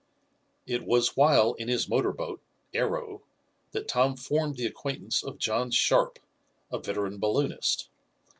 It was while in his motor boat, Arrow, that Tom formed the acquaintance of John Sharp, a veteran balloonist.